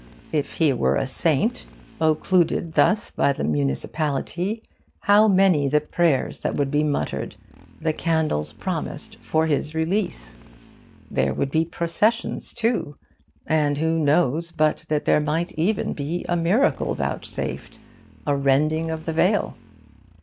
If he were a Saint, occluded thus by the municipality, how many the prayers that would be muttered, the candles promised, for his release! There would be processions, too; and who knows but that there might even be a miracle vouchsafed, a rending of the veil?